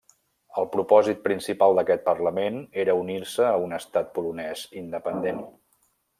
El propòsit principal d'aquest parlament era unir-se a un estat polonès independent.